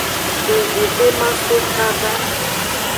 Ngji be maso kaba.